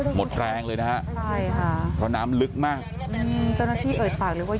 หมดแรงเลยนะฮะใช่ค่ะเพราะน้ำลึกมากอืมเจ้าหน้าที่เอ่ยปากเลยว่า